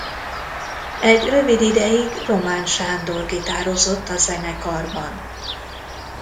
Egy rövid ideig Román Sándor gitározott a zenekarban.